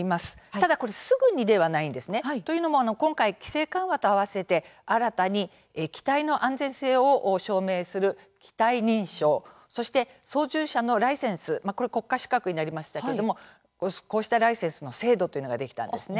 ただ、すぐにではないんですね。というのも今回規制緩和と併せて新たに、機体の安全性を証明する機体認証そして、操縦者のライセンスこれ、国家資格になりましたけれども、こうしたライセンスの制度というのができたんですね。